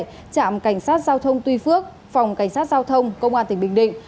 trạm cảnh sát giao thông tuy phước phòng cảnh sát giao thông công an tỉnh bình định